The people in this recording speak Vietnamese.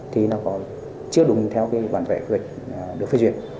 thì nó có chưa đúng theo bản vệ quyết được phê duyệt